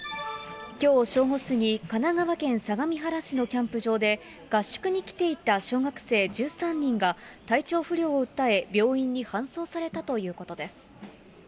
きょう正午過ぎ、神奈川県相模原市のキャンプ場で、合宿に来ていた小学生１３人が、体調不良を訴え、病院に搬送されたということです。